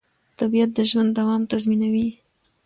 طبیعت د ژوند دوام تضمینوي